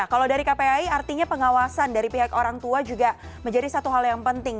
kalau dari kpai artinya pengawasan dari pihak orang tua juga menjadi satu hal yang penting